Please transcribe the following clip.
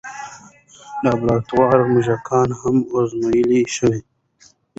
لابراتواري موږکان هم ازمویل شوي دي.